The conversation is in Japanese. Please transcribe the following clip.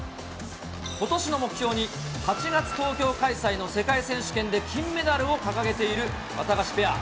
ことしの目標に、８月東京開催の世界選手権で金メダルを掲げているワタガシペア。